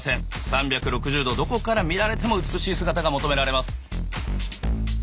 ３６０度どこから見られても美しい姿が求められます。